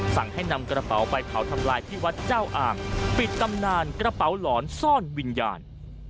สั่งให้นำกระเป๋าไปเผาทำลายที่วัดเจ้าอ่างปิดตำนานกระเป๋าหลอนซ่อนวิญญาณ